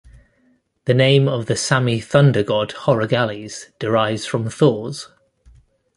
The name of the Sami thunder god Horagalles derives from Thor's.